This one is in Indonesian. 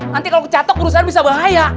nanti kalau kecatok perusahaan bisa bahaya